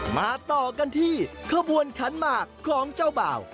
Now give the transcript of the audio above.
มาต่อกันที่ขบวนขันหมากของเจ้าบ่าว